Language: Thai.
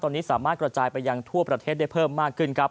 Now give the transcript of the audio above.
ตอนนี้สามารถกระจายไปยังทั่วประเทศได้เพิ่มมากขึ้นครับ